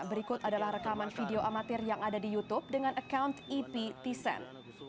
berikut adalah rekaman video amatir yang ada di youtube dengan account ep tesen